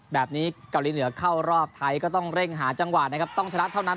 แบบนี้เกาหลีเหนือเข้ารอบไทยก็ต้องเร่งหาจังหว่านะครับ